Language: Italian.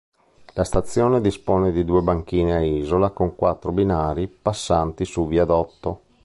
La stazione dispone di due banchine a isola con quattro binari passanti su viadotto.